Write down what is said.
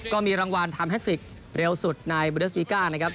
ก็มีรางวัลทำแท็กฟิกเร็วสุดในบูเดสซีก้านะครับ